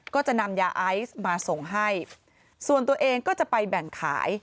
ก็จะนำยาไอซ์มาส่งให้ส่วนตัวเองก็จะไปแบ่งขาย